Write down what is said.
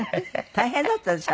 大変だったでしょ？